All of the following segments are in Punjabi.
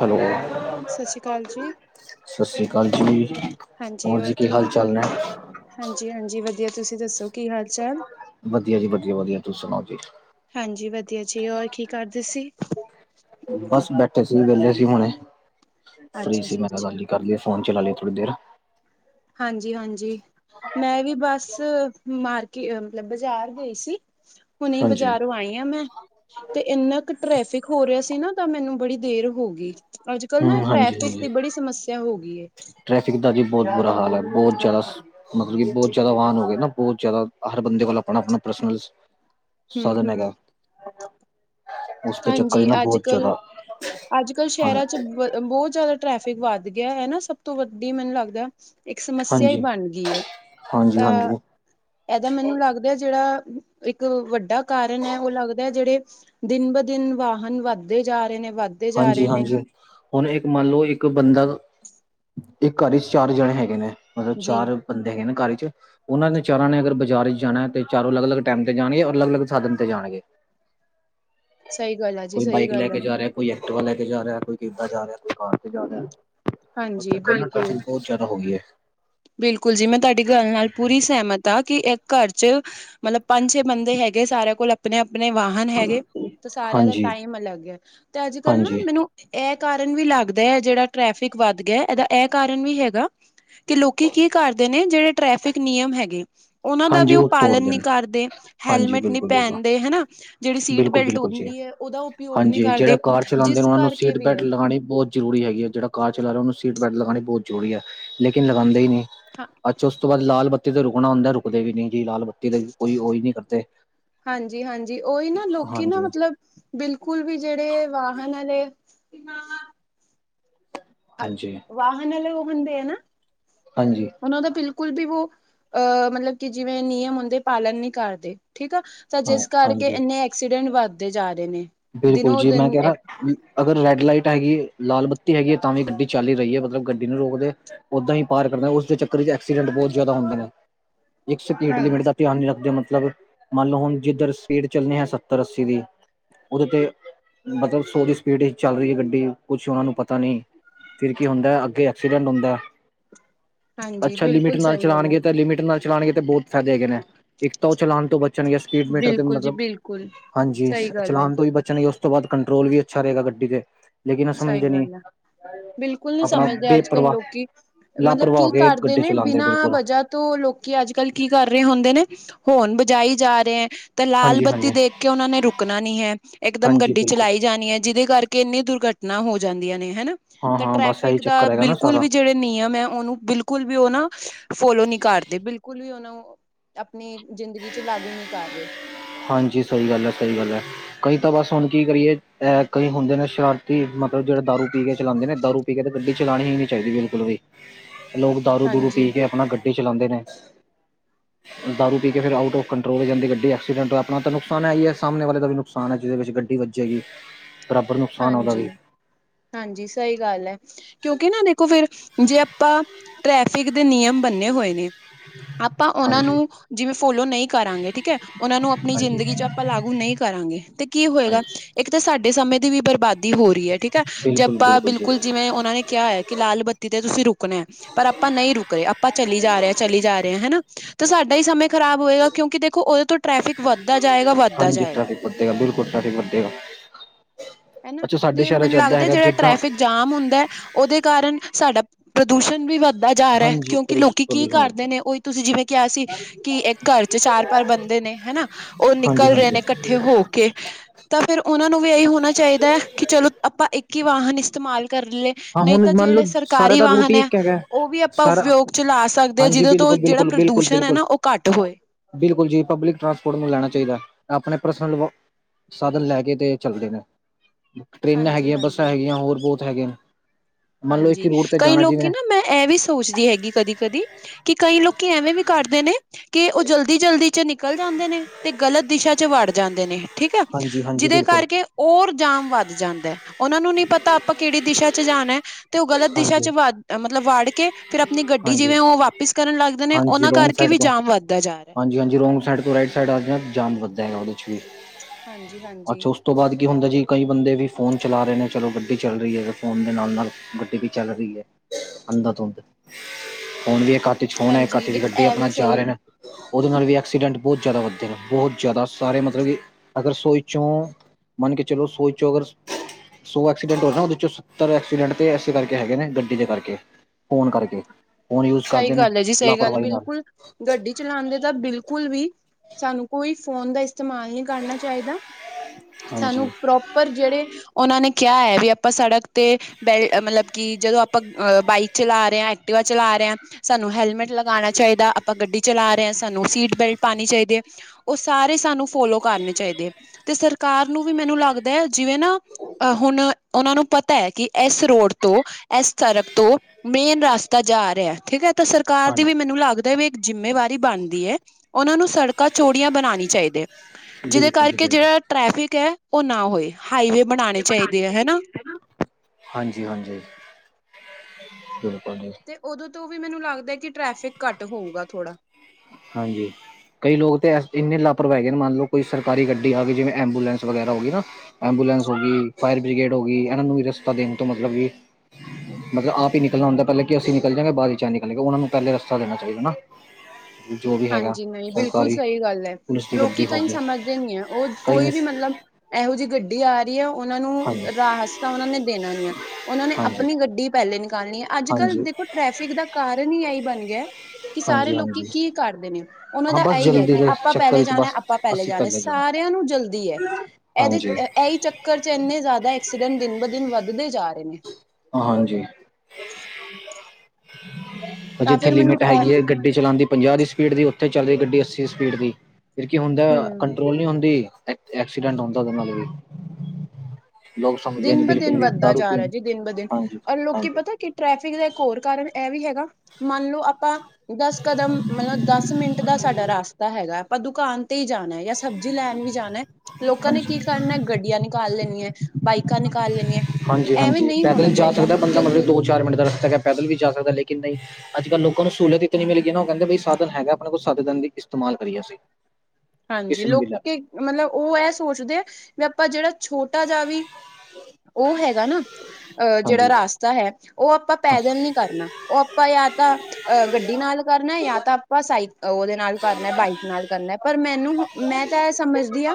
ਹੈਲੋ। ਸਤਿ ਸ਼੍ਰੀ ਅਕਾਲ ਜੀ, ਸਤਿ ਸ੍ਰੀ ਅਕਾਲ ਜੀ ਹੋਰ ਜੀ ਕੀ ਹਾਲ ਚਾਲ ਨੇ। ਹਾਂਜੀ, ਹਾਂਜੀ ਵਧੀਆ ਤੁਸੀਂ ਦੱਸੋ ਕੀ ਹਾਲ ਚਾਲ। ਵਧੀਆ ਜੀ ਵਧੀਆ ਵਧੀਆ ਤੁਸੀਂ ਸੁਣਾਓ ਜੀ। ਹਾਂਜੀ, ਵਧੀਆ ਜੀ ਹੋਰ ਕੀ ਕਰਦੇ ਸੀ। ਬਸ ਬੈਠੇ ਸੀ ਵਿਹਲੇ ਸੀ ਹੁਣੇ ਫਰੀ ਅੱਛਾ ਸੀ ਜੀ ਮੈਂ ਕਿਹਾ ਅੱਛਾ, ਗੱਲ ਹੀ ਕਰ ਲਈ ੲੈ। ਫੋਨ ਚਲਾ ਲਿਏ ਥੋੜ੍ਹੀ ਦੇਰ। ਹਾਂਜੀ, ਹਾਂਜੀ। ਮੈਂ ਵੀ ਬਸ ਮਾਰਕੀ ਮਤਲਬ ਬਾਜ਼ਾਰ ਗਈ ਸੀ। ਹੁਣੇ ਹਾਂਜੀ ਬਜ਼ਾਰੋਂ ਆਈ ਆ ਮੈਂ ਤੇ ਇੰਨਾ ਕੁ ਟ੍ਰੈਫਿਕ ਹੋ ਰਿਹਾ ਸੀ ਨਾ ਤਾਂ ਮੈਨੂੰ ਬੜੀ ਦੇਰ ਹੋ ਗਈ। ਅੱਜ ਕਲ ਹਮ ਨਾ ਟਰੈਫਿਕ ਦੀ ਬੜੀ ਸਮੱਸਿਆ ਹੋ ਗਈ ਹੈ। ਟਰੈਫਿਕ ਦਾ ਵੀ ਬਹੁਤ ਬੁਰਾ ਹਾਲ ਹੈ ਬਹੁਤ ਜ਼ਿਆਦਾ। ਮਤਲਬ ਕਿ ਬਹੁਤ ਜ਼ਿਆਦਾ ਵਾਹਨ ਹੋ ਗਏ ਨਾ ਬਹੁਤ ਜ਼ਿਆਦਾ ਹਰ ਬੰਦੇ ਕੋਲ ਆਪਣਾ ਆਪਣਾ ਪਰਸਨਲ ਹੂੰ ਸਾਦਨ ਹੂੰ। ਹੈਗਾ। ਉਸਦੇ ਚੱਕਰ ਹੀ ਹਾਂਜੀ ਨਾ ਅੱਜ ਬਹੁਤ ਕੱਲ ਜ਼ਿਆਦਾ ਅੱਜ ਕੱਲ੍ਹ ਹਾਂ ਸ਼ਹਿਰਾਂ ਚ ਬ ਬਹੁਤ ਜ਼ਿਆਦਾ। ਟ੍ਰੈਫਿਕ ਵੱਧ ਗਿਆ ਹੈ ਨਾ ਸਭ ਤੋਂ ਵੱਡੀ ਮੈਨੂੰ ਲੱਗਦਾ। ਇੱਕ ਸਮੱਸਿਆ ਹੀ ਹਾਂਜੀ ਬਣ ਗਈ ਹੈ ਹਾਂਜੀ ਤਾਂ ਹਾਂਜੀ ਇਹਦਾ ਮੈਨੂੰ ਲੱਗਦਾ ਜਿਹੜਾ ਇੱਕ ਵੱਡਾ ਕਾਰਨ ਹੈ ਉਹ ਲੱਗਦਾ ਜਿਹੜੇ ਦਿਨ ਬ ਦਿਨ ਵਾਹਨ ਵੱਧਦੇ ਜਾ ਰਹੇ ਨੇ ਵੱਧ ਹਾਂਜੀ, ਹਾਂਜੀ। ਹੁਣ ਇੱਕ ਮੰਨ ਲਓ ਇੱਕ ਬੰਦਾ ਇੱਕ ਘਰ ਚ ਚਾਰ ਜਣੇ ਹੈਗੇ ਨੇ ਮਤਲਬ ਜੀ ਚਾਰ ਬੰਦੇ ਹੈਗੇ ਨੇ ਘਰ ਇਚ। ਉਹਨਾਂ ਨੇ ਚਾਰਾਂ ਨੇ ਅਗਰ ਬਾਜ਼ਾਰ ਚ ਜਾਣਾ ਹੈ। ਚਾਰੋ ਅਲਗ- ਅਲੱਗ ਟਾਈਮ ਤੇ ਜਾਣਗੇ ਔਰ ਅਲੱਗ- ਅਲੱਗ ਸਾਧਨ ਤੇ ਜਾਣਗੇ। ਸਹੀ ਗੱਲ ਹੈ ਜੀ ਕੋਈ ਸਹੀ ਬਾਈਕ ਲੈ ਗੱਲ ਕੇ ਹੈ ਜਾ ਰਿਹਾ। ਕੋਈ ਐਕਟਵਾ ਲੈ ਕੇ ਜਾ ਰਿਹਾ। ਕੋਈ ਕਿੱਦਾਂ ਜਾ ਰਿਹਾ, ਕੋਈ ਕਾਰ ਤੇ ਜਾ ਰਿਹਾ। ਉਸ ਹਾਂਜੀ ਬਿਲਕੁਲ ਗਰਮੀ ਬਹੁਤ ਜ਼ਿਆਦਾ ਹੋ ਗਈ ਹੈ। ਬਿਲਕੁਲ ਜੀ, ਮੈਂ ਤੁਹਾਡੀ ਗੱਲ ਨਾਲ ਪੂਰੀ ਸਹਿਮਤ ਹਾਂ। ਕਿ ਇੱਕ ਘਰ ਚ ਮਤਲਬ ਪੰਜ, ਛੇ ਬੰਦੇ ਹੈਗੇ। ਸਾਰਿਆਂ ਕੋਲ ਆਪਣੇ- ਆਪਣੇ ਵਾਹ ਹਨ ਹੈਗੇ। ਤੇ ਸਾਰਿਆਂ ਦਾ ਹਾਂਜੀ, ਟਾਈਮ ਅਲੱਗ ਹੈ। ਤੇ ਅੱਜ ਕੱਲ ਨਾ ਹਾਂਜੀ, ਮੈਨੂੰ ਇਹ ਕਾਰਨ ਵੀ ਲੱਗਦਾ ਹੈ। ਜਿਹੜਾ ਟ੍ਰੈਫਿਕ ਵੱਧ ਗਿਆ। ਇਹਦਾ ਇਹ ਕਾਰਨ ਵੀ ਹੈਗਾ। ਕਿ ਲੋਕੀ ਕੀ ਕਰਦੇ ਨੇ, ਜਿਹੜੇ ਟ੍ਰੈਫਿਕ ਨਿਯਮ ਹੈਗੇ। ਉਹਨਾਂ ਦਾ ਵੀ ਹਾਂਜੀ ਉਹ ਪਾਲਣ ਤੋੜਦੇ ਨਹੀਂ ਨੇ। ਕਰਦੇ। ਹਾਂਜੀ ਹੈਲਮੇਟ ਨਹੀਂ ਬਿਲਕੁਲ, ਬਿਲਕੁਲ, ਪਹਿਨਦੇ, ਹਨਾ ਜਿਹੜੀ ਸੀਟ ਬਿਲਕੁਲ, ਬੈਲਟ ਬਿਲਕੁਲ ਜੀ। ਹੁੰਦੀ ਹੈ। ਉਹਦਾ ਉਪਯੋਗ ਨਹੀਂ ਹਾਂਜੀ, ਜਿਹੜਾ ਕਰਦੇ ਕਾਰ ਚਲਾਉਂਦੇ ਨੇ, ਜਿਸ ਉਹਨਾਂ ਨੂੰ ਕਰਕੇ ਸੀਟ ਵੀ ਬੈਲਟ ਹੈ ਲਗਾਉਣੀ। ਬਹੁਤ ਜ਼ਰੂਰੀ ਹੈਗੀ ਹੈ। ਜਿਹੜਾ ਕਾਰ ਚਲਾ ਰਿਹਾ ਉਹਨੂੰ ਸੀਟ ਬੈਲ ਲਗਾਉ ਬਹੁਤ ਜ਼ੂਰੀ ਹੈ। ਲੇਕਿਨ ਲਗਾਉਂਦੇ ਹੀ ਨਹੀਂ। ਹਾਂ ਅੱਛਾ ਉਸ ਤੋਂ ਬਾਅਦ, ਲਾਲ ਬੱਤੀ ਤੇ ਰੁਕਣਾ ਹੁੰਦਾ। ਰੁਕਦੇ ਵੀ ਨੀ ਜੀ, ਲਾਲ ਬੱਤੀ ਦੇ ਕੋਈ ਹੀ ਨਹੀਂ ਕਰਦੇ। ਹਾਂਜੀ- ਹਾਂਜੀ ਉਹੀ ਨਾ, ਲੋਕੀ ਨਾ ਹਾਂਜੀ ਮਤਲਬ ਬਿਲਕੁਲ ਵੀ ਜਿਹੜੇ ਵਾਹਨ ਵਾਲੇ। ਹਾਂਜੀ। ਵਾਹਨ ਆਲੇ ਉਹ ਹੁੰਦੇ ਹੈ, ਨਾ। ਹਾਂਜੀ। ਉਹਨਾਂ ਦਾ ਬਿਲਕੁਲ ਵੀ, ਉਹ ਅਹ ਮਤਲਬ ਕਿ ਜਿਵੇਂ ਨਿਯਮ ਹੁੰਦੇ। ਪਾਲਣ ਨੀ ਕਰਦੇ, ਠੀਕ ਆ। ਤਾਂ ਹਾਂ ਜਿਸ ਕਰਕੇ, ਹਾਂਜੀ ਇੰਨੇ ਐਕਸੀਡੈਂਟ ਵੱਧਦੇ ਜਾ ਰਹੇ ਨੇ। ਬਿਲਕੁਲ ਦਿਨੋ ਜੀ, ਮੈਂ ਦਿਨ ਕਹਿ ਰਿਹਾ। ਅਗਰ ਰੈੱਡ ਲਾਈਟ ਹੈਗੀ। ਲਾਲ ਬੱਤੀ ਹੈਗੀ ਹੈ। ਤਾਂ ਵੀ ਗੱਡੀ ਚੱਲ ਹੀ ਰਹੀ ਹੈ, ਮਤਲਬ ਗੱਡੀ ਨੂੰ ਰੋਕਦੇ ਓਦਾਂ ਹੀ ਪਾਰ ਕਰਦੇ, ਉਸਦੇ ਚੱਕਰ ਚ ਐਕਸੀਡੈਂਟ ਬਹੁਤ ਜ਼ਿਆਦਾ ਹੁੰਦੇ ਨੇ, ਇੱਕ ਸਪੀਡ ਹਾਂ ਲਿਮਿਟ ਦਾ ਧਿਆਨ ਨੀ ਰੱਖਦੇ ਮਤਲਬ। ਮੰਨ ਲਓ ਹੁਣ ਜਿੱਧਰ ਸਪੀਡ ਚੱਲਣੇ ਹੈ, ਸੱਤਰ- ਅੱਸੀ ਦੀ ਉਹਦੇ ਤੇ, ਮਤਲਬ ਸੋ ਦੀ ਸਪੀਡ ਹੀ ਚੱਲ ਰਹੀ ਹੈ ਗੱਡੀ, ਕੁਛ ਉਹਨਾਂ ਨੂੰ ਪਤਾ ਨਹੀਂ। ਫੇਰ ਕੀ ਹੁੰਦਾ। ਅੱਗੇ ਐਕਸੀਡੈਂਟ ਹੁੰਦਾ। ਹਾਂਜੀ ਅੱਛਾ ਲਿਮਿਟ ਬਿਲਕੁਲ ਨਾਲ ਸਹੀ ਗੱਲ ਹੈ ਚਲਾਉਣਗੇ ਤਾਂ ਲਿਮਿਟ ਨਾਲ ਚਲਾਣਗੇ ਤੇ ਬਹੁਤ ਫਾਇਦੇ ਹੈਗੇ ਨੇ, ਇੱਕ ਤਾਂ ਉਹ ਚਲਾਨ ਤੋਂ ਬਚਣ ਗੇ। ਟੀ ਮੀਟਰ ਤੋ ਬਿਲਕੁਲ ਜੀ ਮਤਲਬ, ਬਿਲਕੁਲ ਹਾਂਜੀ ਸਹੀ ਸਾ ਗੱਲ ਹੈ ਤੋਂ ਵੀ ਬਚਣਗੇ। ਉਸ ਤੋਂ ਬਾਅਦ ਕੰਟਰੋਲ ਵੀ ਅੱਛਾ ਰਹੇਗਾ ਗੱਡੀ ਤੇ, ਲੇਕਿਨ ਏ ਸਹੀ ਸਮਝਦੇ ਨਹੀਂ। ਗੱਲ ਹੈ ਬਿਲਕੁਲ ਨਹੀਂ ਸਮਝਦੇ, ਅੱਜ-ਕੱਲ ਲੋਕੀ। ਮਤਲਬ ਲਾਪਰਵਾਹ ਹੋ ਕੀ ਕੇ ਕਰਦੇ ਗੱਡੀ ਨੇ ਚਲਾਉਂਦੇ ਬਿਨਾਂ ਬਿਲਕੁਲ ਵਜਾ ਤੋਂ ਲੋਕ ਕੀ ਅੱਜ ਕੱਲ ਕੀ ਕਰ ਰਹੇ ਹੁੰਦੇ ਨੇ, ਹੋਨ ਬਜਾਈ ਜਾ ਰਹੇ ਹੈ। ਤੇ ਲਾਲ ਹਾਂਜੀ ਬੱਤੀ ਹਾਂਜੀ ਦੇਖ ਕੇ ਉਹਨਾਂ ਨੇ ਰੁਕਣਾ ਨਹੀਂ ਹੈ। ਇਕ ਦਮ ਹਾਂਜੀ ਗੱਡੀ ਬਿਲਕੁਲ ਚਲਾਈ ਜਾਣੀ ਹੈ। ਜਿਹਦੇ ਕਰਕੇ ਕਿੰਨੀ ਦੁਰਘਟਨਾ ਹੋ ਜਾਂਦੀਆਂ ਨੇ ਹਨਾ। ਹਾਂ ਤੇ ਹਾਂ ਬਸ ਇਹੀ ਟ੍ਰੈਫਿਕ ਦਾ ਚੱਕਰ ਹੈਗਾ ਨਾ ਬਿਲਕੁਲ ਸਾਰਾ ਵੀ ਜਿਹੜੇ ਨਿਯਮ ਹੈ ਉਹਨੂੰ ਬਿਲਕੁਲ ਵੀ ਉਹ ਨਾ ਫੋਲੋ ਨੀ ਕਰਦੇ। ਬਿਲਕੁਲ ਵੀ ਉਹਨਾਂ ਨੂੰ ਆਪਣੀ ਜ਼ਿੰਦਗੀ ਚ ਲਾਗੂ ਨਹੀਂ ਕਰ ਰਹੇ। ਹਾਂਜੀ, ਸਹੀ ਗੱਲ ਹੈ-ਸਹੀ ਗੱਲ ਹੈ। ਕਈ ਤਾਂ ਬਸ ਹੁਣ ਕੀ ਕਰੀਏ, ਅਹ ਕਈ ਹੁੰਦੇ ਨੇ ਸ਼ਰਾਰਤੀ ਮਤਲਬ, ਜਿਹੜੇ ਦਾਰੂ ਪੀ ਕੇ ਚਲਾਉਂਦੇ ਨੇ ਦਾਰੂ ਪੀਕੇ‌ ਤਾ ਗੱਡੀ ਚਲਾਣੀ ਹੀ ਨੀ ਚਾਹੀਦੀ। ਬਿਲਕੁਲ ਵੀ। ਲੋਕ ਦਾਰੂ- ਦੂਰੂ ਹਾਂਜੀ ਪੀ ਕੇ ਆਪਣਾ ਗੱਡੀ ਚਲਾਉਂਦੇ ਨੇ। ਦਾਰੂ ਪੀ ਕੇ ਫੇਰ ਆਊਟ ਔਫ ਕੰਟਰੋਲ ਹੋ ਜਾਂਦੀ ਗੱਡੀ। ਐਕਸੀਡੈਂਟ ਆਪਣਾ ਤਾਂ ਨੁਕਸਾਨ ਹੈ ਹੀ, ਸਾਹਮਣੇੇ ਵਾਲੇ ਦਾ ਵੀ ਨੁਕਸਾਨ ਹੈ, ਜਿਹਦੇ ਵਿੱਚ ਗੱਡੀ ਵੱਜੇਗੀ। ਹ [inaudible] ਹਾਂਜੀ, ਹਾਂਜੀ ਸਹੀ ਗੱਲ ਹੈ। ਕਿਉਂਕਿ ਨਾ ਦੇਖੋ ਫੇਰ, ਜੇ ਆਪਾਂ ਟ੍ਰੈਫਿਕ ਦੇ ਨਿਯਮ ਬੰਨੇ ਹੋਏ ਨੇ। ਆਪਾਂ ਉਹਨਾਂ ਹਾਂਜੀ ਨੂੰ ਜਿਵੇਂ, ਫੋਲੋ ਨਹੀਂ ਕਰਾਂਗੇ ਠੀਕ ਹੈ। ਉਹਨਾਂ ਨੂੰ ਆਪਣੀ ਹਾਂਜੀ ਜ਼ਿੰਦਗੀ ਚ, ਆਪਾਂ ਲ ਗੂ ਨਹੀਂ ਕਰਾਂਗੇ ਤੇ ਕੀ ਹੋਏਗਾ। ਹਾਂਜੀ ਇੱਕ ਤਾਂ ਸਾਡੇ ਸਮੇਂ ਦੀ ਵੀ ਬਰਬਾਦੀ ਹੋ ਰਹੀ ਹੈ। ਠੀਕ ਹੈ‌, ਜੇ ਬਿਲਕੁਲ ਆਪਾਂ ਜੀ ਬਿਲਕੁਲ ਜਿਵੇਂ, ਉਹਨਾਂ ਨੇ ਕਿਹਾ ਹੈ ਕਿ ਲਾਲ ਬ ਤੇ ਤੁਸੀਂ ਰੁਕਣਾ ਹੈ। ਪਰ ਆਪਾਂ ਨਹੀਂ ਰੁਕ ਰਹੇ, ਆਪਾਂ ਚਲੀ ਜਾ ਰਹੇ ਆ, ਚਲੀ ਜਾ ਰਹੇ ਹਾਂ ਹਨਾ। ਤਾਂ ਸਾਡਾ ਹੀ ਸਮੇਂ ਖ਼ਰਾਬ ਹੋਏਗਾ। ਕਿਉਂਕਿ ਦੇਖੋ ਉਹਦੇ ਤੋਂ ਟ੍ਰੈਫਿਕ ਵੱਧਦਾ ਜਾਏਗਾ- ਵੱਧਦਾ ਜਾਏਗਾ। [unintelligible] ਹਨਾ ਅੱਛਾ ਸਾਡੇ ਤੇ ਸ਼ਹਿਰਾਂ ਚ ਮੈਨੂੰ ਏਦਾਂ ਲੱਗਦਾ ਹੈਗਾ ਜਿਹੜਾ ਜਿੱਦਾਂ ਟ੍ਰੈਫਿਕ ਜਾਮ ਹੁੰਦਾ। ਉਹਦੇ ਕਾਰਨ ਸਾਡਾ ਪ੍ਰਦੂਸ਼ਣ ਵੀ ਵੱਧਦਾ ਨਾ ਜਾ ਰਿਹਾ, ਹਾਂਜੀ ਕਿਉਂਕਿ ਪ੍ਰਦੂਸ਼- ਲੋਕੀ ਕੀ ਪ੍ਰਦੂਸ਼ਣ ਕਰਦੇ ਵੱਧਦਾ ਨੇ, ਉਹੀ ਤੁਸੀਂ ਜਿਵੇਂ ਕਿਹਾ ਸੀ ਕਿ, ਇੱਕ ਘਰ'ਚ ਚਾਰ-ਪੰਜ ਬੰਦੇ ਨੇ ਹਨਾ, ਉਹ ਹਾਂਜੀ ਨਿਕਲ ਰਹੇ ਹਾਂਜੀ ਨੇ ਇਕੱਠੇ ਹੋਕੇ ਤਾਂ ਫਿਰ ਉਹਨਾਂ ਨੂੰ ਵੀ ਇਹੀ ਹੋਣਾ ਚਾਹੀਦਾ ਹੈ, ਕਿ ਚਲੋ ਆਪਾਂ ਇੱਕ ਹੀ ਵਾਹਨ ਇਸਤੇਮਾਲ ਕਰਲੇ। ਹਾਂ ਨਹੀਂ ਹੁਣ ਤਾਂ ਮੰਨ ਜਿਹੜੇ ਲਓ ਸਾਰਾ ਸਰਕਾਰੀ ਦਾ ਰੂਟ ਵਾਹਨ ਹੀ ਹੈ, ਇੱਕ ਹੈਗਾ ਉਹ ਵੀ ਆਪਾਂ ਸਾਰਾ ਉਪਯੋਗ'ਚ ਲਾ ਸਕ ਹਾਂਜੀ ਜਿਦੋਂ ਤੋਂ, ਬਿਲਕੁਲ ਜਿਹੜਾ ਬਿਲਕੁਲ ਬਿਲਕੁਲ ਪ੍ਰਦੂਸ਼ਣ ਹੈ ਬਿਲਕੁਲ ਨਾ ਉਹ ਘੱਟ ਹੋਏ। ਬਿਲਕੁਲ ਜੀ, ਪਬਲਿਕ ਟਰਾਂਸਪੋਰਟ ਨੂੰ ਲੈਣਾ ਚਾਹੀਦਾ, ਆਪਣੇ ਸਾਧਨ ਲੈਕੇ ਤੇ ਚੱਲਦੇ ਨੇ, ਟ੍ਰੇਨਾਂ ਹਾਂਜੀ ਹੈਗੀਆਂ, ਬੱਸਾਂ ਹਾਂਜੀ ਹੈਗੀਆਂ ਹੋਰ ਬਹੁਤ ਹੈਗੇ ਨੇ। ਮੰਨ ਲਓ ਇੱਕ ਹਾਂਜੀ, ਹੀ ਰੂਟ ਤੇ ਕਈ ਜਾਣਾ ਲੋਕੀ ਜਿਵੇਂ ਨਾ, ਮੈਂ ਐਂ ਵੀ ਸੋਚਦੀ ਹੈਗੀ ਕਦੀ-ਕਦੀ ਕਿ ਕਈ ਲੋਕੀ ਐਵੇਂ ਵੀ ਕਰਦੇ ਨੇ, ਕਿ ਉਹ ਜਲਦੀ-ਜਲਦੀ'ਚ ਨਿ ਨਿਕਲ ਜਾਂਦੇ ਨੇ, ਤੇ ਗਲਤ ਦਿਸ਼ਾ'ਚ ਵੜ ਜਾਂਦੇ ਨੇ, ਠੀਕ ਆ। ਹਾਂਜੀ-ਹਾਂਜੀ, ਜਿਹਦੇ ਬਿਲਕੁਲ ਕਰਕੇ ਹੋਰ ਜਾਮ ਵੱਧ ਜਾਂਦਾ। ਉਹਨਾਂ ਨੂੰ ਨਹੀਂ ਪਤਾ ਆਪਾਂ ਕਿਹੜੀ ਦਿਸ਼ਾ'ਚ ਜਾਣਾ। ਤੇ ਉਹ ਗਲਤ ਦਿਸ਼ਾ'ਚ ਹਾਂਜੀ। ਵਾ, ਮਤਲਬ ਵਾੜਕੇ, ਫਿਰ ਆਪਣੀ ਗੱਡੀ, ਜਿਵੇਂ ਉਹ ਵਾਪਿਸ ਕਰਨ ਲੱਗ ਹਾਂਜੀ ਰੋਂਗ ਸਾਈਡ ਤੋਂ, ਹਾਂਜੀ-ਹਾਂਜੀ ਰੋਂਗ ਸਾਈਡ ਤੋਂ, ਰਾਈਟ ਸਾਈਡ ਆਗਿਆ, ਜਾਮ ਵੱਧਦਾ ਹੈਗਾ ਉਹਦੇ'ਚ ਵੀ, ਹਾਂਜੀ-ਹਾਂਜੀ, ਅੱਛਾ ਓਸ ਤੋਂ ਬਾਅਦ ਕੀ ਹੁੰਦਾ ਜੀ। ਕਈ ਬੰਦੇ ਵੀ ਫੋਨ ਚਲਾ ਰਹੇ ਨੇ, ਚਲੋ ਗੱਡੀ ਚੱਲ ਰਹੀ ਹੈ, ਤੇ ਫੋਨ ਦੇ ਨਾਲ-ਨਾਲ ਗੱਡੀ ਵੀ ਚੱਲ ਰਹੀ ਹੈ। ਧੁੰਦ ਤੋ ਹੁਣ ਵੀ ਇਕ ਹੱਥ ਫੋਨ ਏ, ਇਕ ਹਾਂਜੀ ਹੱਥ ਵਿਚ ਇੱਕ ਗੱਡੀ ਇਹ ਆਪਣਾ ਵੀ ਜਾ ਸਹੀ ਰਹੇ ਨੇ। ਉਹਦੇ ਨਾਲ ਵੀ ਐਕਸੀਡੈਂਟ ਬਹੁਤ ਜ਼ਿਆਦਾ ਵੱਧਦੇ ਨੇ, ਬਹੁਤ ਜ਼ਿਆਦਾ। ਸਾਰੇ ਮਤਲਬ ਕਿ ਅਗਰ ਸੋ ਵਿਚੋਂ ਮੰਨਕੇ ਚਲੋ, ਸੋ ਵਿੱਚੋ ਅਗਰ ਸੌ ਐਕਸੀਡੈਂਟ ਹੋ ਨਾ, ਉਹਦੇ'ਚੋਂ ਸੱਤਰ ਐਕਸੀਡੈਂਟ ਤੇ ਐਸੇ ਕਰਕੇ ਹੈਗੇ ਨੇ, ਗੱਡੀ ਦੇ ਕਰਕੇ। ਫੋਨ ਕਰਕੇ, ਫੋਨ ਯੂਜ ਸਹੀ ਕਰਦੇ ਨਾ ਗੱਲ ਹੈ ਜੀ ਸਹੀ ਗੱਲ, ਬਿਲਕੁਲ। ਗੱਡੀ ਚਲਾਂਦੇ ਤਾਂ ਬਿਲਕੁਲ਼ ਵੀ, ਸਾਨੂੰ ਕੋਈ ਫ਼ੋਨ ਦਾ ਇਸਤੇਮਾਲ ਨਹੀਂ ਕਰਨਾਂ ਚਾਹੀਂਦਾ। ਹਾਂਜੀ ਸਾਨੂੰ ਪ੍ਰੌਪਰ ਜਿਹ੍ੜੇ ਉਹਨਾਂ ਨੇ ਕਿਹਾਂ ਹੈ ਵੀ, ਆਪਾ ਸੜਕ ਤੇ ਬੈਲ ਮਤਲਬ ਕਿ, ਜਦੋਂ ਆਪਾਂ ਬਾਈਕ ਚਲਾ ਰਹੇਂ ਹਾਂ, ਐਕਟੀਵਾ ਚਲਾ ਰਹੇਂ ਸਾਨੂੰ ਹੈਲਮੇਟ ਲਗਾਣਾ ਚਾਹੀਂਦਾ, ਆਪਾਂ ਗੱਡੀ ਚਲਾ ਰਹੇ ਹਾਂ ਸਾਨੂੰ ਸੀਟ-ਬੈਲਟ ਪਾਣੀ ਚਾਹੀਦੀ ਉਹ ਸਾਰੇ ਸਾਨੂੰ ਫੋਲੋ ਕਰਨੇਂ ਚਾਹੀਦੇ, ਤੇ ਸਰਕਾਰ ਨੂੰ ਵੀ ਮੈਂਨੂੰ ਲੱਗਦਾ ਜਿਵੇਂ ਨਾ ਅਹ, ਹੁਣ ਉਹਨਾਂ ਨੂੰ ਪਤਾ ਹੈ ਕਿ, ਇਸ ਰੋਡ ਤੋਂ, ਇਸ ਸੜਕ ਤੋਂ, ਮੇਨ ਰਸਤਾ ਜਾ ਰਿਹਾ, ਠੀਕ ਹੈਂ ਤਾਂ ਸਰਕਾਰ ਦੀ ਹਾਂਜੀ ਵੀ ਮੈਨੂੰ ਲੱਗਦਾ ਵੀ, ਇੱਕ ਜਿੰਮੇਵਾਰੀ ਬਣਦੀ ਏ ਉਹਨਾਂ ਨੂੰ ਸੜਕਾਂ ਚੋੜੀਆਂ ਬਣਾਣੀ ਚਾਹੀਦੇ, ਜਿਹਦੇ ਬਿਲਕੁਲ ਜੀ ਕਰਕੇ ਬਿਲਕੁਲ ਜਿਹੜਾ ਟ੍ਰੈਫਿਕ ਹੈ ਉਹ ਨਾ ਹੋਏ, ਹਾਈਵੇ ਬਣਾਣੇ ਚਾਹੀਦੇ ਆ, ਹੈਨਾ। ਹਾਂਜੀ-ਹਾਂਜੀ, ਬਿਲਕੁਲ। ਤੇ ਓਦੋਂ ਤੋਂ ਵੀ ਮੈਨੂੰ ਲੱਗਦਾ ਕਿ, ਟ੍ਰੈਫਿਕ ਘੱਟ ਹੋਊਗਾ ਥੋੜਾ। ਹਾਂਜੀ। ਕਈ ਲੋਕ ਤਾਂ ਐ ਇੰਨੇ ਲਾਪਰਵਾਹ ਹੈਗੇ ਨੇ, ਮੰਨ ਲਓ ਕੋਈ ਸਰਕਾਰੀ ਗੱਡੀ ਆ ਗਈਂ, ਜਿਂਵੇ ਐਂਬੂਲੈਂਸ ਵਗੈਰਾ ਹੋ ਗਈਂ ਨਾ ਐਬੂਲੈਂਸ ਹੋਗੀ, ਫਾਇਰ ਬ੍ਰਿਗੇਡ ਹੋਗੀ, ਇਹਨਾਂ ਨੂੰ ਵੀ ਰਸਤਾਂ ਦੇਣ ਤੋਂ ਮਤਲਬ ਕਿ ਮਤਲਬ ਆਪ ਹੀ ਨਿਕਲਣਾ ਹੁੰਦਾ, ਪਹਿਲਾਂ ਕਿ ਅਸੀਂ ਨਿਕਲ ਜਾਂਗੇ, ਬਾਅਦ'ਚ ਆ ਨਿੱਕਲੇਗਾ, ਉਹਨਾ ਨੂੰ ਪਹਿਲੇ ਰਸਤਾ ਦੇਣਾਂ ਚਾਹੀਂਦਾ ਨਾ। [inaudible] ਵੀ ਹੈਗਾ ਹਾਂਜੀ, ਨਹੀਂ। ਬਿਲਕੁਲ ਸਰਕਾਰੀ ਸਹੀ ਗੱਲ ਹੈ, ਪੁਲਿਸ ਦੀ ਲੋਕੀ ਗੱਡੀ ਹੋ ਕਹੀ ਗਈ ਸਮਝਦੇ ਨਹੀਂ ਆ, ਉਹ ਕਈ ਕੋਈ ਵੀ ਮਿਸ ਮਤਲਬ ਇਹੋ ਜਿਹੀ ਗੱਡੀ ਆ ਰਹੀ ਹੈ, ਉਹਨਾਂ ਨੂੰ, ਹਾਂਜੀ ਰਾਸਤਾ ਉਹਨਾਂ ਨੇ ਦੇਣਾ ਨਹੀ ਆ, ਉਹਨਾਂ ਨੇ ਹਾਂਜੀ ਆਪਣੀ ਗੱਡੀ ਪਹਿਲੇ ਨਿਕਾਲਣੀ ਐ, ਅੱਜ-ਕੱਲ ਹਾਂਜੀ ਦੇਖੋ ਟ੍ਰੈਫਿਕ ਦਾ ਕਾਰਨ ਹੀ ਐਹੀ ਬਣ ਗਿਆ, ਕਿ ਸਾਰੇ ਹਾਂਜੀ ਲੋਕੀ ਹਾਂਜੀ ਕੀ ਕਰਦੇ ਨੇ, ਉਹਨਾਂ ਹਾਂ ਦਾ ਬਸ ਐਹੀ ਹੈ, ਜਲਦੀ ਕਿ ਦੇ ਆਪਾਂ ਚੱਕਰ ਪਹਿਲੇ ਵਿੱਚ ਜਾਣਾ, ਬਸ ਆਪਾਂ ਪਹਿਲੇ ਅਸੀਂ ਜਾਣਾ, ਸਾਰਿਆਂ ਨੂੰ ਜਲਦੀ ਐ। ਇਹਦੇ, ਹਾਂਜੀ ਇੱਹੀ ਚੱਕਰ'ਚ ਇੰਨੇਂ ਜ਼ਿਆਦਾ ਐਕਸੀਡੈਂਟ ਦਿਨ ਬ ਦਿਨ ਵੱਧਦੇ ਜਾ ਰਹੇ ਨੇ। ਹਾਂ ਜੀ। ਤਾਂ ਜਿੱਥੇ ਫਿਰ ਮੈਨੂੰ ਲਿਮੀਟ ਇਹ ਹੈਗੀ ਏ, ਗੱਡੀ ਚਲਾਣ ਦੀ ਪੰਜਾਹ ਦੀ ਸਪੀਡ ਦੀ, ਉੱਥੇ ਚੱਲਦੀ ਗੱਡੀ ਅੱਸੀ ਸਪੀਡ ਦੀ, ਫ਼ਿਰ ਕੀ ਹੁੰਦਾ ਹਮ ਕੰਟਰੋਲ ਨੀ ਹੁੰਦੀ ਐਕਸੀਡੈਂਟ ਹੁੰਦਾ, ਉਹਦੇ ਨਾਲ਼ ਵੀ। ਲੋਕ ਸਮਝਦੇ ਨੇ ਦਿਨ ਬ ਬਿਲਕੁਲ ਦਿਨ ਵੀ ਵੱਧਦਾ ਦਾਰੂ ਜਾ ਰਿਹਾਂ ਪੀਣ ਜੀ, ਦਿਨ ਬ ਦਿਨ, ਹਾਂਜੀ ਔਰ ਲੋਕੀਂ ਹਾਂਜੀ ਪਤਾ ਕਿ ਟ੍ਰੈਫਿਕ, ਦਾ ਇੱਕ ਹੋਰ ਕਾਰਨ ਇਹ ਵੀ ਹੈਗਾ ਮੰਨ ਲਓ ਆਪਾਂ ਦਸ ਕਦਮ, ਮਤਲਬ ਦਸ-ਮਿੰਟ ਦਾ ਸਾਡਾ ਰਾਸਤਾ ਹੈਗਾ, ਆਪਾਂ ਦੁਕਾਨ ਕਿਤੇ ਹੀ ਜਾਣਾਂ ਜਾਂ ਸਬਜ਼ੀ ਲੈਣ ਵੀ ਜਾਣਾਂ ਲੋਕਾਂ ਨੇ ਹਾਂਜੀ ਕੀ ਕਰਨਾ ਗੱਡੀਆਂ ਨਿਕਾਲ ਲੈਨੀਆ। ਬਾਈਕਾਂ ਨਿਕਾਲ ਲੈਣੀਆਂ, ਐਵੇਂ ਹਾਂਜੀ-ਹਾਂਜੀ, ਨਹੀਂ ਹੋਣਾ ਪੈਦਲ ਜਾ ਚਾਹੀਦਾ ਸਕਦਾ ਬੰਦਾ ਮਤਲਬ ਕਿਉਂਕਿ ਦੋ ਚਾਰ ਮਿੰਟ ਦਾ ਰਸਤਾ ਹੈਗਾਂ ਪੈਦਲ ਵੀਂ ਜਾਂ ਸਕਦਾਂ ਲੇਕਿਨ ਨਹੀਂ, ਅੱਜ ਕੱਲ੍ਹ ਲੋਕਾਂ ਨੂੰ ਸਹੂਲਤ ਇਤਨੀ ਮਿਲ ਗਈ ਹੈਂ ਨਾਂ ਉਹ ਕਹਿੰਦੇ ਵੀ ਸਾਧਨ ਹੈਗਾਂ ਆਪਣੇ ਕੋਲ ਸਾਧਨ ਦੀ ਇਸਤੇਮਾਲ ਕਰੀਏਂ ਅਸੀਂ। ਹਾਂਜੀ, ਕਿਸੇ ਨੂੰ ਵੀ ਲੈ ਲੋਕੀ ਮਤਲਬ ਉਹ ਇਹ ਸੋਚਦੇ ਆ ਵੀ ਆਪਾਂ ਜਿਹੜਾਂ ਛੋਟਾਂ ਜਿਹਾਂ ਵੀ, ਉਹ ਹੈਗਾ ਨਾ ਅਹ ਜਿਹੜਾਂ ਹਾਂਜੀ, ਹਾਂ, ਰਾਸਤਾ ਹੈ ਉਹ ਆਪਾਂ ਪੈਦਲ ਨੀ ਕਰਨਾ ਉਹ ਆਪਾਂ ਜਾ ਤਾ ਅ ਗੱਡੀ ਨਾਲ਼ ਕਰਨਾ ਜਾ ਤਾ ਆਪਾਂ ਸਾਈਕ ਉਹਦੇ ਨਾਲ਼ ਕਰਨਾ ਬਾਈਕ ਨਾਲ਼ ਕਰਨਾ। ਪਰ ਮੈਨੂੰ ਮੈ ਤਾਂ ਇਹ ਸਮਝਦੀ ਹਾਂ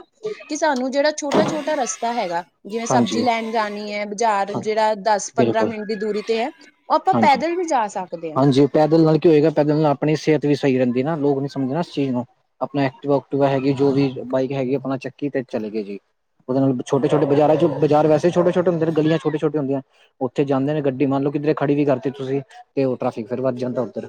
ਕਿ ਸਾਨੂੰ ਜਿਹੜਾਂ ਛੋਟਾ ਛੋਟਾ ਰਸਤਾ ਹੈਗਾ, ਜਿਵੇਂ ਸਬਜ਼ੀ ਹਾਂਜੀ, ਲੈਣ ਜਾਣੀਆ ਹੈ ਬਜ਼ਾਰ ਹਾਂ, ਜਿਹੜਾਂ ਦਸ ਪੰਦਰਾਂ ਬਿਲਕੁਲ, ਮਿੰਟ ਦੀ ਦੂਰੀ ਤੇ ਹੈ। ਉਹ ਆਪਾਂ ਹਾਂਜੀ। ਪੈਦਲ ਵੀ ਜਾਂ ਸਕਦੇ ਹਾਂ। ਹਾਂਜੀ, ਪੈਦਲ ਨਾਲ ਕੀ ਹੋਏਗਾ ਪੈਦਲ ਨਾਲ਼ ਆਪਣੀ ਸਿਹਤ ਵੀ ਸਹੀ ਰਹਿੰਦੀ ਨਾਂ ਲੋਕ ਨੀ ਸਮਝਦੇ ਨਾਂ ਇਸ ਚੀਜ਼ ਨੂੰ। ਆਪਣਾ ਐਕਟੀਵਾ ਉਕਟਵਾ ਹੈਗੀ ਜੋ ਵੀ ਬਾਈਕ ਹੈਗੀ ਆਪਣਾ ਚੱਕੀ ਤੇ ਚਲੇ ਗਏ ਜੀ। ਉਹਦੇ ਨਾਲ ਛੋਟੇ ਛੋਟੇ ਬਾਜ਼ਾਰਾ ਚ ਬਾਜ਼ਾਰ ਵੈਸੇ ਹੀ ਛੋਟੇ ਛੋਟੇ ਹੁੰਦੇ ਨੇ ਗਲੀਆ ਵੀ ਛੋਟੀਆ ਛੋਟੀਆ ਹੁੰਦੀਆ। ਉੱਥੇ ਜਾਂਦੇ ਨੇ ਗੱਡੀ ਮੰਨ ਲਵੋ ਕਿੱਧਰੇ ਖੜੀ ਵੀ ਕਰਤੀ ਤੁਸੀਂ ਤੇ ਉਹ ਟ੍ਰੈਫਿਕ ਫਿਰ ਵੱਧ ਜਾਂਦਾ ਉੱਧਰ,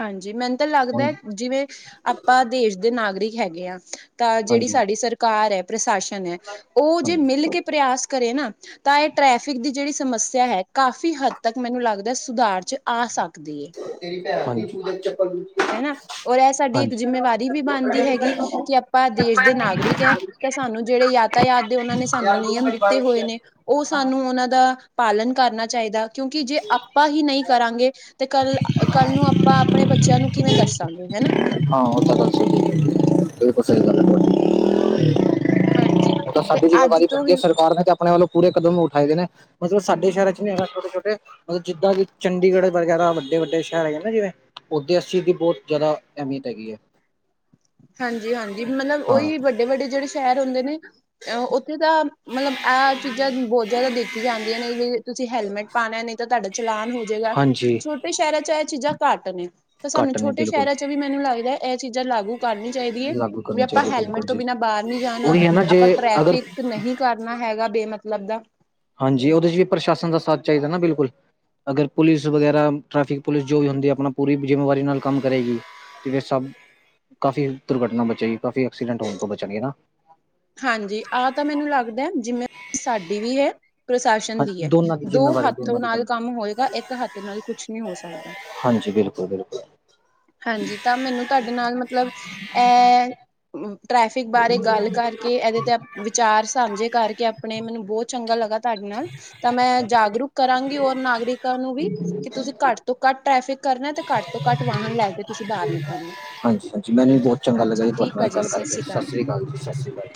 ਹਾਂਜੀ, ਮੈਨੂੰ ਤਾਂ ਹਾਂ, ਲੱਗਦਾ ਜਿਵੇਂ ਆਪਾਂ ਦੇਸ਼ ਦੇ ਨਾਗਰਿਕ ਹੈਗੇ ਐ, ਤਾਂ ਜਿਹੜੀ ਹਾਂਜੀ। ਸਾਡੀ ਸਰਕਾਰ ਹੈ ਪ੍ਰਸ਼ਾਸਨ ਹੈ ਉਹ ਜੇ ਮਿਲ ਹਾਂਜੀ, ਕੇ ਪਰਿਆਸ ਕਰੇ ਨਾ, ਤਾਂ ਇਹ ਟ੍ਰੈਫਿਕ ਦੀ ਜਿਹੜੀ ਸਮੱਸਿਆ ਹੈ ਕਾਫ਼ੀ ਹੱਦ ਤੱਕ ਮੈਨੂੰ ਲੱਗਦਾ ਸੁਧਾਰ ਚ ਆ ਸਕਦੀ ਹੈ। [inaudible] ਹੈਨਾ ਔਰ ਇਹ ਸਾਡੀ ਇੱਕ ਹਾਂਜੀ। ਜਿੰਮੇਵਾਰੀ ਵੀ ਬਣਦੀ ਹੈਗੀ ਕਿ ਆਪਾਂ ਦੇਸ਼ ਦੇ ਨਾਗਰਿਕ ਹੈ, ਤਾਂ ਸਾਨੂੰ ਜਿਹੜੇ ਯਾਤਾਯਾਤ ਦੇ ਉਹਨਾਂ ਨੇ ਸਾਨੂੰ ਯਾਰ, ਨਿਯਮ ਦਿੱਤੇ ਹੋਏ ਨੇ ਉਹ ਬਾਈਕ ਸਾਨੂੰ ਉਹਨਾਂ ਦਾ, ਪਾਲਣ ਕਰਨਾ ਚਾਹੀਦਾ ਕਿਉਂਕਿ ਜੇ ਆਪਾਂ ਹੀ ਨਹੀਂ ਕਰਾਂਗੇ, ਤੇ ਕੱਲ੍ਹ ਕੱਲ੍ਹ ਨੂੰ ਆਪਾਂ ਆਪਣੇ ਬੱਚਿਆਂ ਨੂੰ, ਕਿਵੇਂ ਦੱਸਾਂ ਹੈਨਾ, ਹਾਂ, ਉਹ ਤਾਂ ਗੱਲ ਸਹੀ ਏ, ਬਿਲਕੁਲ ਸਹੀ ਗੱਲ ਐ ਤੁਹਾਡੀ। ਹਾਂਜੀ ਉਹ ਤਾ ਤੇ ਸਾਡੀ ਅੱਜ ਜਿੰਮੇਵਾਰੀ ਤੋਂ ਬਣਦੀ ਹੈ ਹੀ ਸਰਕਾਰ ਨੇ ਤੇ ਆਪਣੇ ਵੱਲੋਂ ਪੂਰੇ ਕਦਮ ਨੂੰ ਉਠਾਏ ਦੇ ਨੇ। ਮਤਲਬ ਸਾਡੇ ਸ਼ਹਿਰ ਚ ਨੀ ਹੈਗਾ ਛੋਟੇ ਛੋਟੇ ਮਤਲਬ ਜਿੱਦਾਂ ਕਿ ਚੰਡੀਗੜ੍ਹ ਵਗੈਰਾ ਵੱਡੇ ਵੱਡੇ ਸ਼ਹਿਰ ਹੈਗੇ ਨਾ ਜਿਵੇਂ, ਉੱਧਰ ਇਸ ਚੀਜ਼ ਦੀ ਬਹੁਤ ਜ਼ਿਆਦਾ ਅਹਿਮੀਅਤ ਹੈਗੀ ਹੈ। ਹਾਂਜੀ, ਹਾਂਜੀ, ਮਤਲਬ ਹਾਂ ਉਹੀ ਵੱਡੇ ਵੱਡੇ ਜਿਹੜੇ ਸ਼ਹਿਰ ਹੁੰਦੇ ਨੇ, ਅ ਉੱਥੇ ਤਾਂ ਮਤਲਬ ਇਹ ਚੀਜ਼ਾਂ ਬਹੁਤ ਜ਼ਿਆਦਾ ਦੇਖੀਆਂ ਜਾਂਦੀਆਂ ਨੇ ਵੀ ਤੁਸੀਂ ਹੈਲਮੇਟ ਪਾਉਣਾ ਨਹੀਂ ਤਾਂ ਤੁਹਾਡਾ ਚਲਾਨ ਹੋਜਏਗਾ, ਹਾਂਜੀ ਛੋਟੇ ਸ਼ਹਿਰਾਂ ਚ ਇਹ ਚੀਜ਼ਾਂ ਘੱਟ ਨੇ। ਤਾਂ ਸਾਨੂੰ ਘੱਟ ਨੇ ਛੋਟੇ ਬਿਲਕੁਲ ਸ਼ਹਿਰਾਂ ਚ ਵੀ ਮੈਨੂੰ ਲੱਗਦਾ ਹੈ ਇਹ ਚੀਜ਼ਾਂ ਲਾਗੂ ਕਰਨੀ ਚਾਹੀਦੀ ਹੈ, ਲਾਗੂ ਵੀ ਕਰਨੇ ਆਪਾਂ ਚਾਹੀਦੇ ਹੈਲਮੇਟ ਬਿਲਕੁਲ ਤੋਂ ਜੀ ਬਿਨਾਂ ਬਾਹਰ ਨੀ ਜਾਣਾ ਉਹੀ ਹੈ ਨਾ ਜੇ ਆਪਾਂ ਅਗਰ ਟ੍ਰੈਫਿਕ ਨਹੀਂ ਕਰਨਾ ਹੈਗਾ ਬੇਮਤਲਬ ਦਾ, ਹਾਂਜੀ, ਉਹਦੇ ਚ ਵੀ ਪ੍ਰਸ਼ਾਸਨ ਦਾ ਸਾਥ ਚਾਹੀਦਾ ਨਾ ਬਿਲਕੁਲ। ਅਗਰ ਪੁਲਿਸ ਵਗੈਰਾ ਟ੍ਰੈਫਿਕ ਪੁਲਿਸ ਜੋ ਵੀ ਹੁੰਦੀ ਆਪਣਾ ਪੂਰੀ ਜਿੰਮੇਵਾਰੀ ਨਾਲ ਕੰਮ ਕਰੇਗੀ ਤੇ ਸਭ, ਕਾਫ਼ੀ ਦੁਰਘਟਨਾ ਬਚੇਗੀ ਕਾਫੀ ਐਕਸੀਡੈਂਟ ਹੋਣ ਤੋਂ ਬਚਣ ਗੇ ਨਾ। ਹਾਂਜੀ, ਆਹ ਤਾਂ ਮੈਨੂੰ ਲੱਗਦਾ ਜਿਵੇਂ ਸਾਡੀ ਵੀ ਹੈ, ਪ੍ਰਸ਼ਾਸਨ ਹਾਂ ਦੀ ਹੈ ਦੋਨਾਂ ਦੋ ਜਿੰਮੇਵਾਰੀ ਹੱਥੋ ਦੋਨਾਂ ਦੀ ਨਾਲ਼ ਬਣਦੀ ਕੰਮ ਹੋਏਗਾ ਇੱਕ ਹੱਥ ਨਾਲ ਕੁਛ ਨੀ ਹੋ ਸਕਦਾ। ਹਾਂਜੀ, ਬਿਲਕੁਲ-ਬਿਲਕੁਲ। ਹਾਂਜੀ, ਤਾਂ ਮੈਨੂੰ ਤੁਹਾਡੇ ਨਾਲ ਮਤਲਬ ਇ ਟ੍ਰੈਫਿਕ ਬਾਰੇ ਗੱਲ ਕਰਕੇ ਕੇ ਇਹਦੇ ਤੇ ਵਿਚਾਰ ਸਾਂਝੇ ਕਰਕੇ ਆਪਣੇ ਮੈਨੂੰ ਬਹੁਤ ਚੰਗਾ ਲੱਗਾ। ਤੁਹਾਡੇ ਨਾਲ ਤਾਂ ਮੈਂ ਜਾਗਰੂਕ ਕਰਾਂਗੀ ਹੋਰ ਨਾਗਰਿਕਾਂ ਨੂੰ ਵੀ ਕਿ ਤੁਸੀਂ ਘੱਟ ਤੋਂ ਘੱਟ ਟ੍ਰੈਫਿਕ ਕਰਨਾ ਤੇ ਘੱਟ ਤੋਂ ਘੱਟ ਵਾਹਨ ਲੈ ਕੇ ਤੁਸੀਂ ਬਾਹਰ ਨਿਕਲਣਾ। ਹਾਂਜੀ-ਹਾਂਜੀ, ਮੈਨੂੰ ਵੀ ਬਹੁਤ ਚੰਗਾ ਲੱਗਾ ਜੀ ਤੁਹਾਡੇ ਨਾਲ ਗੱਲ ਕਰ ਕੇ ਸਤਿ ਸ਼੍ਰੀ ਅਕਾਲ ਜੀ ਸਤਿ ਸ਼੍ਰੀ ਅਕਾਲ ਜੀ।